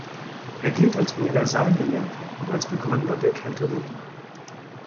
Er gilt als Universalgelehrter und als Begründer der Keltologie.